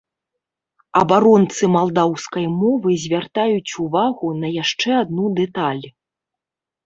Абаронцы малдаўскай мовы звяртаюць увагу на яшчэ адну дэталь.